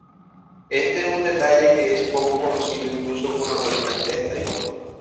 Este es un detalle que es poco conocido incluso por los habitantes de Taiwán.